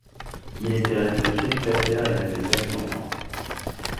Il était resté célibataire et n'avait pas eu d'enfant.